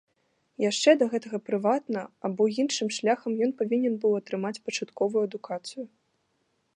Яшчэ да гэтага прыватна або іншым шляхам ён павінен быў атрымаць пачатковую адукацыю.